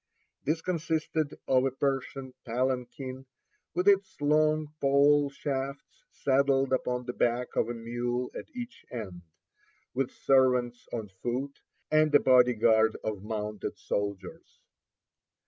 This consisted of a Persian palanquin, with its long pole shafts saddled upon the back of a mule at each end; with servants on foot, and a body guard of mounted soldiers.